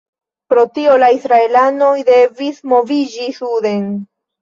Pro tio la israelanoj devis moviĝi suden.